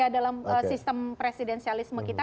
dalam sistem presidensialisme kita